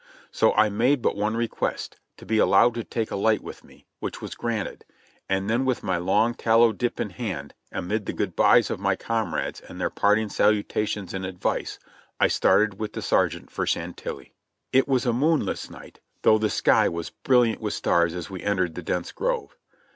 So I made but one request, to be allowed to take a light with me, which was granted, and then with my long tallow dip in hand, amid the good bys of my comrades and their parting salutations and advice, I started with the sergeant for Chantilly. It was a moonless night, though the sky was brilliant with stars as we entered the dense grove.